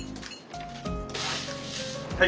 はい。